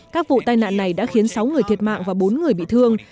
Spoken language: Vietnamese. các vụ tai nạn này đã khiến sáu người thiệt mạng và bốn người bị thương